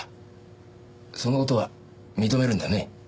その事は認めるんだね？